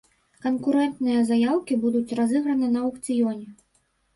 Канкурэнтныя заяўкі будуць разыграны на аўкцыёне.